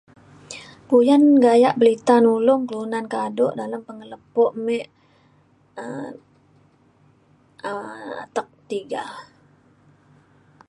Puyan gayak pelita nulong kelunan kado dalem pengelepo me um atek tiga